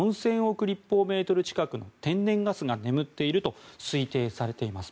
立方メートル近くの天然ガスが眠っていると推定されています。